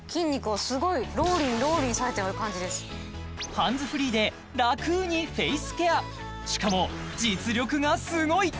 ハンズフリーでラクにフェイスケアしかも実力がスゴい！